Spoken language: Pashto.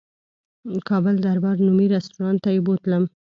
کابل دربار نومي رستورانت ته یې بوتلم.